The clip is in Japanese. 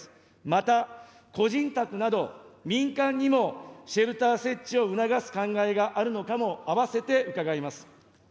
また、個人宅など民間にもシェルター設置を促す考えがあるのかも、併せて伺います。